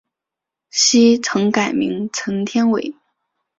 昔曾改名陈天崴。